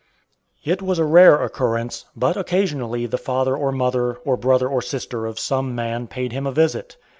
It was a rare occurrence, but occasionally the father or mother or brother or sister of some man paid him a visit.